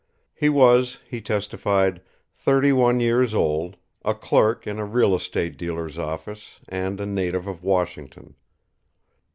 He was, he testified, thirty one years old, a clerk in a real estate dealer's office and a native of Washington.